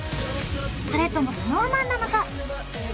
それともＳｎｏｗＭａｎなのか？